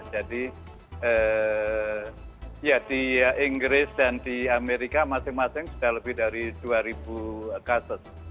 jadi di inggris dan di amerika masing masing sudah lebih dari dua ribu kasus